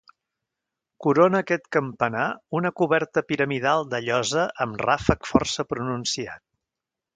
Corona aquest campanar una coberta piramidal de llosa amb ràfec força pronunciat.